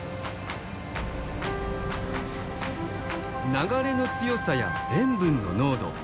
流れの強さや塩分の濃度